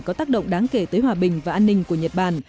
có tác động đáng kể tới hòa bình và an ninh của nhật bản